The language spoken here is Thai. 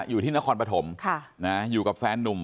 อยู่ที่นครปฐมอยู่กับแฟนนุ่ม